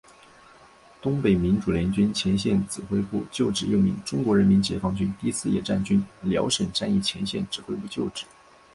东北民主联军前线指挥部旧址又名中国人民解放军第四野战军辽沈战役前线指挥部旧址。